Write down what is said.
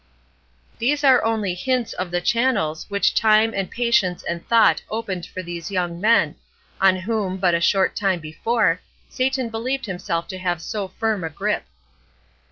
These are only hints of the channels which time and patience and thought opened for these young men, on whom, but a short time before, Satan believed himself to have so firm a grip.